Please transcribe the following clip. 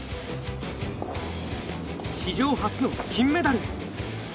史上初の金メダルへ。